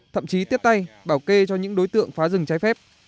thậm chí tiếp tay bảo kê cho những đối tượng phá rừng trái phép